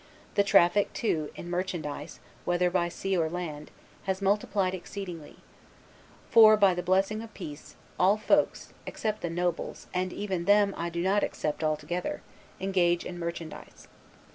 The traffic, too, in merchandise, whether by sea or land, has multiplied exceedingly. For, by the blessing of peace, all folks (except the nobles, and even them I do not except altogether) engage in merchandise.